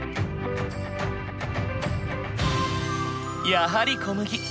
やはり小麦。